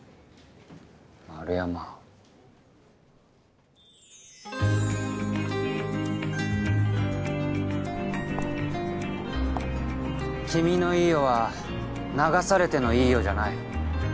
丸山君の「いいよ」は流されての「いいよ」じゃない。